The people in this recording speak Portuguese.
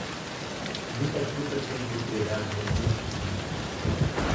Muitas frutas têm propriedades antioxidantes.